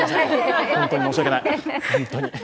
本当に申し訳ない。